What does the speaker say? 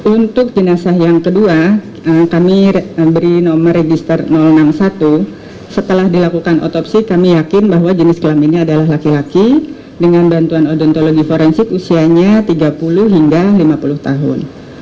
untuk jenazah yang kedua kami beri nomor register enam puluh satu setelah dilakukan otopsi kami yakin bahwa jenis kelam ini adalah laki laki dengan bantuan odontologi forensik usianya tiga puluh hingga lima puluh tahun